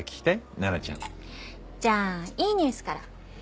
ナナちゃん。じゃあいいニュースから。